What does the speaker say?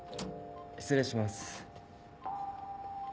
失礼します。